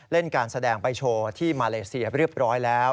เล่นการแสดงไปโชว์ที่มาเลเซียเรียบร้อยแล้ว